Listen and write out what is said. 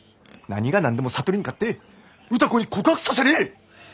何が何でも智に勝って歌子に告白させれ！